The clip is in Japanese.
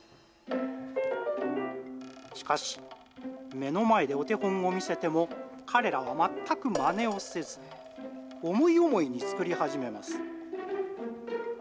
しかし、目の前でお手本を見せても、彼らは全くまねをせず、思い思いに作り始めます。